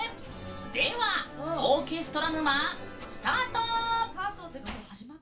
では「オーケストラ沼」スタート。